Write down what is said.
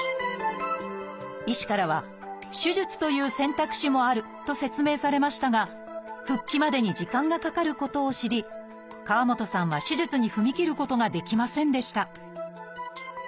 医師からは手術という選択肢もあると説明されましたが復帰までに時間がかかることを知り河本さんは手術に踏み切ることができませんでした。